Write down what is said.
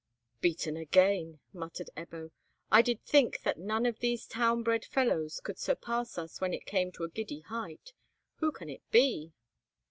"Beaten again!" muttered Ebbo; "I did think that none of these town bred fellows could surpass us when it came to a giddy height! Who can he be?"